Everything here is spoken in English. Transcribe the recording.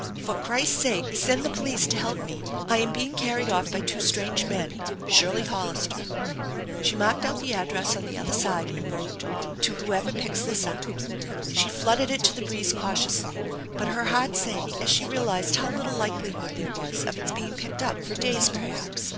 " For Christ's sake send the police to he^ me ! I ain being carried off by two strange men ! Shirley Hollister." She marked out the address on the other side and wrote :" To whoever picks this up/' She fluttered it to the breeze cautiously ; but her heart sank as she realized how little likeli hood there was of its being picked up for days perhaps.